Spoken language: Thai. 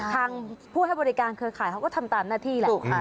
ทางผู้ให้บริการเครือข่ายเขาก็ทำตามหน้าที่แหละ